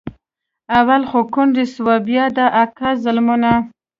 اول خو کونډه سوه بيا د اکا ظلمونه.